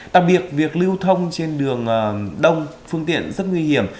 đặc biệt việc lưu thông trên đường đông phương tiện rất nguy hiểm